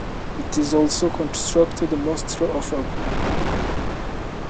It is also constructed mostly of brick.